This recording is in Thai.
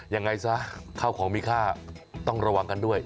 ยังไงซะข้าวของมีค่าต้องระวังกันด้วย